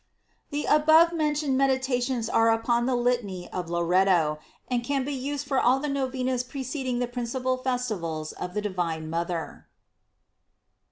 The above mentioned meditations are upon the Litany of Loretto, and can be used for all the Novenas preceding the principal festivals of the Divine Mother.